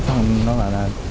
xong rồi nó bảo là